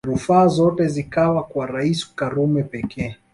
Rufaa zote zikawa kwa Rais Karume pekee